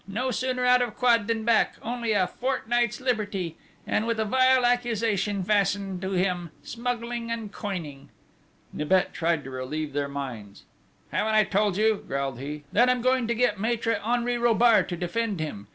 No sooner out of quod than back only a fortnight's liberty! And with a vile accusation fastened to him smuggling and coining!" Nibet tried to relieve their minds: "Haven't I told you," growled he, "that I'm going to get Maître Henri Robart to defend him?